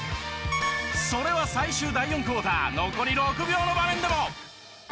それは最終第４クオーター残り６秒の場面でも。